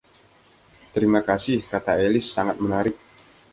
‘Terima kasih,’ kata Alice, ‘sangat menarik’.